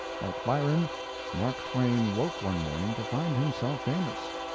Like Byron, Mark Twain woke one morning to find himself famous.